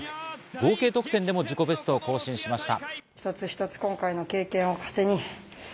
合計得点でも自己ベストを更新しました。